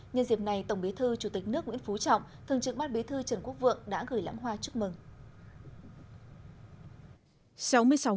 nhân dịp này tổng bí thư chủ tịch nước nguyễn phú trọng thường trực bát bí thư trần quốc vượng đã gửi lãng hoa chúc mừng